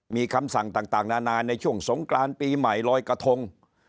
มีคำสั่งต่างนานาในช่วงสงกรานปีใหม่ลอยกระทง